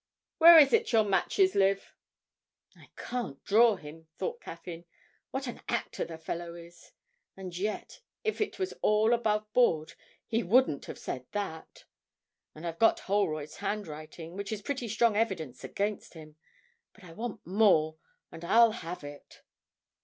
Where is it your matches live?' 'I can't draw him,' thought Caffyn. 'What an actor the fellow is! And yet, if it was all aboveboard, he wouldn't have said that! and I've got Holroyd's handwriting, which is pretty strong evidence against him. But I want more, and I'll have it.'